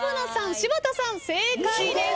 柴田さん正解です。